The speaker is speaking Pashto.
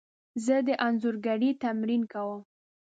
زه د انځورګري تمرین کوم.